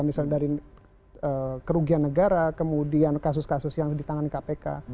misalnya dari kerugian negara kemudian kasus kasus yang ditangani kpk